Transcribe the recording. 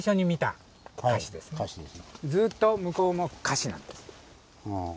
ずっと向こうもカシなんです。